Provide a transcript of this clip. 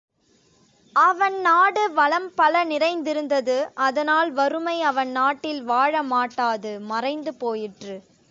அவன் நாடு வளம் பல நிறைந்திருந்தது அதனால், வறுமை அவன் நாட்டில் வாழமாட்டாது மறைந்து போயிற்று.